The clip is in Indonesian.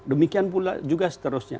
demikian pula juga seterusnya